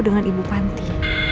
dengan ibu panti